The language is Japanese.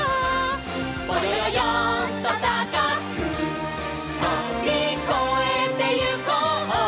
「ぼよよよんとたかくとびこえてゆこう」